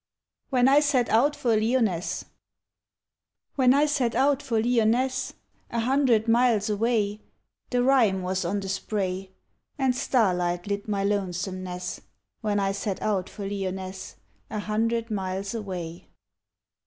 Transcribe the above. "WHEN I SET OUT FOR LYONNESSE" WHEN I set out for Lyonnesse, A hundred miles away, The rime was on the spray, And starlight lit my lonesomeness When I set out for Lyonnesse A hundred miles away.